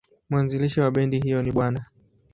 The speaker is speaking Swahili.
Mwanzilishi wa bendi hiyo ni Bw.